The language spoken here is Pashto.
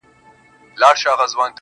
هغه اوس گل كنـدهار مـــاتــه پــرېــږدي,